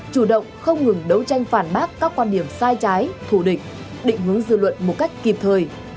chủ động không ngừng đấu tranh phản bác các quan điểm sai trái thù địch định hướng dư luận một cách kịp thời